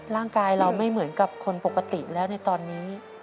ร่างกายเราไม่เหมือนกับคนปกติแล้วในตอนนี้